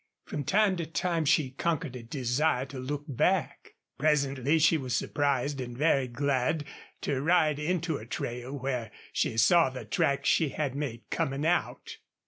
From time to time she conquered a desire to look back. Presently she was surprised and very glad to ride into a trail where she saw the tracks she had made coming out.